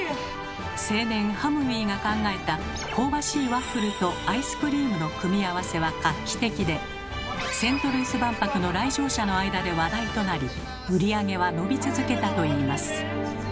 青年ハムウィが考えた香ばしいワッフルとアイスクリームの組み合わせは画期的でセントルイス万博の来場者の間で話題となり売り上げは伸び続けたといいます。